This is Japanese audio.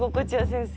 先生。